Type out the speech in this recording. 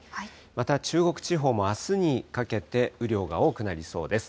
また中国地方もあすにかけて雨量が多くなりそうです。